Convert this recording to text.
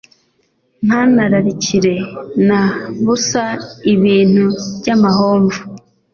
ntararikire na busa ibintu by’amahomvu